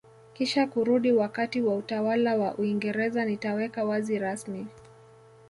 kisha kurudi wakati wa utawala wa Uingereza nitaweka wazi rasmi